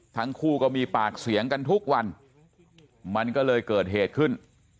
ทั้งคู่ก็มีปากเสียงกันทุกวันมันก็เลยเกิดเหตุขึ้น